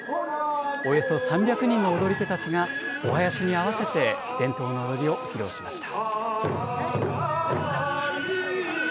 およそ３００人の踊り手たちが、お囃子に合わせて伝統の踊りを披露しました。